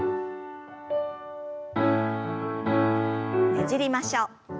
ねじりましょう。